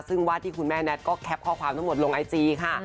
ซึ่งวาดที่คุณแม่แท็ตก็แคปข้อความทั้งหมดลงไอจีค่ะ